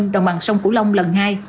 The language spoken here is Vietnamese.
đồng bằng sông cửu long lần hai